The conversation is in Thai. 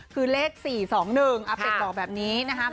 คือเลข๔๒๑อาเป็ดบอกแบบนี้นะครับ